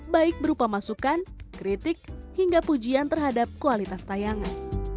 baik berupa masukan kritik hingga pujian terhadap kualitas tayangan